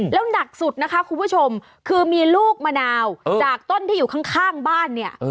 แล้วหนักสุดนะคะคุณผู้ชมคือมีลูกมะนาวจากต้นที่อยู่ข้างบ้านเนี่ย